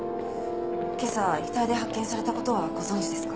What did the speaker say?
今朝遺体で発見された事はご存じですか？